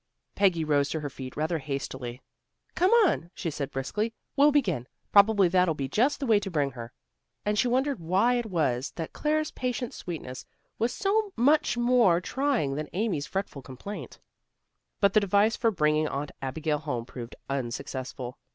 Peggy rose to her feet rather hastily. "Come on," she said briskly. "We'll begin. Probably that'll be just the way to bring her." And she wondered why it was that Claire's patient sweetness was so much more trying than Amy's fretful complaint. But the device for bringing Aunt Abigail home proved unsuccessful.